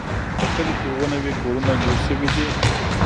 په کلي کې اووه نوي کورونه جوړ شوي دي.